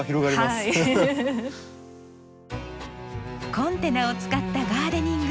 コンテナを使ったガーデニング